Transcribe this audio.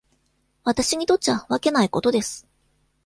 私にとっちゃわけないことです。